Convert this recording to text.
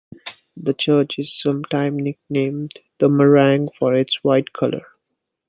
The church is sometime nicknamed "the Meringue" for its white color.